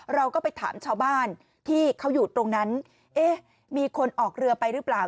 เราก็ไปถามชาวบ้านที่เขาอยู่ตรงนั้นเอ๊ะมีคนออกเรือไปหรือเปล่า